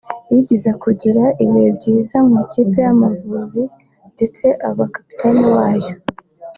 yigeze kugira ibihe byiza mu ikipe y’igihugu Amavubi ndetse aba kapiteni wayo